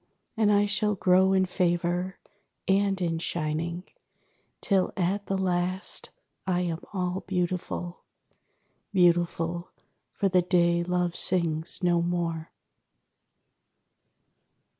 And I shall grow in favour and in shining, Till at the last I am all beautiful; Beautiful, for the day Love sings no more.